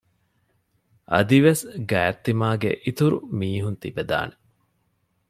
އަދިވެސް ގާތްތިމާގެ އިތުރު މީހުން ތިބެދާނެ